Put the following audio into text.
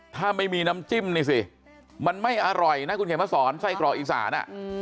ถ้าไม่มีน้ำจิ้มนี่สิมันไม่อร่อยนะคุณเขียนมาสอนไส้กรอกอีสาน